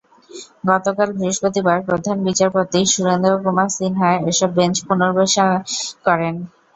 গতকাল বৃহস্পতিবার প্রধান বিচারপতি সুরেন্দ্র কুমার সিনহা এসব বেঞ্চ পুনর্বিন্যাস করেন।